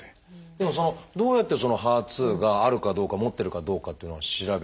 でもどうやってそのＨＥＲ２があるかどうか持ってるかどうかっていうのを調べていくんでしょう？